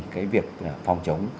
cái việc phòng chống